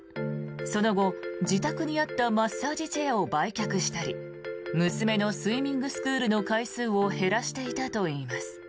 その後、自宅にあったマッサージチェアを売却したり娘のスイミングスクールの回数を減らしていたといいます。